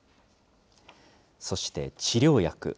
そして治療薬。